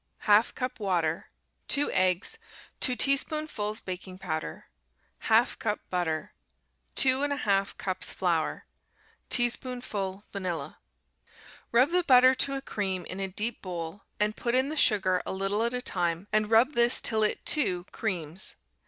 1/2 cup water. 2 eggs. 2 teaspoonfuls baking powder. 1/2 cup butter. 2 1/2 cups flour. Teaspoonful vanilla. Rub the butter to a cream in a deep bowl, and put in the sugar a little at a time, and rub this till it, too, creams.